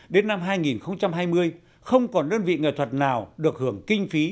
đến năm hai nghìn hai mươi không còn đơn vị nghệ thuật nào được hưởng kinh phí